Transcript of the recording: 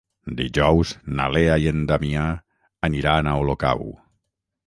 Dijous na Lea i en Damià aniran a Olocau.